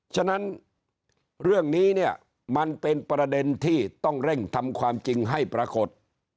ฉะนั้นเรื่องนี้เนี่ยมันเป็นประเด็นที่ต้องเร่งทำความจริงให้ปรากฏ